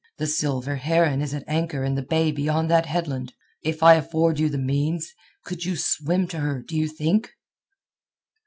The Silver Heron is at anchor in the bay beyond that headland. If I afford you the means, could you swim to her do you think?"